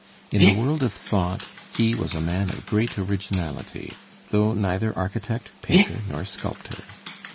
In the world of thought he was a man of great originality, though neither architect, painter, nor sculptor.